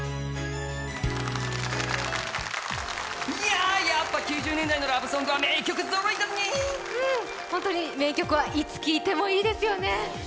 やっぱ、９０年代のラブソングは名曲ぞろいだね、ホントに名曲はいつ聴いてもいいですよね。